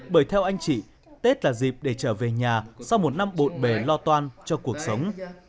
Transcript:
bởi theo anh chị tết là dịp để trở về nhà sau một năm bộn bề lo toan cho cuộc sống